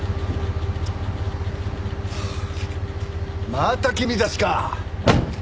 また君たちか！